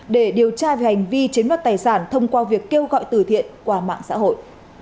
để điều tra về hành vi chế mất tài sản thông qua việc kêu gọi từ thiện qua mạng xã hội